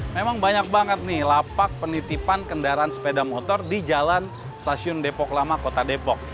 memang banyak banget nih lapak penitipan kendaraan sepeda motor di jalan stasiun depok lama kota depok